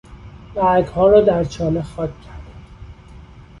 برگها را در چاله خاک کردم.